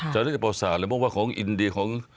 จารึกในประวัติศาสตร์ไม่ว่าของอินเดียของ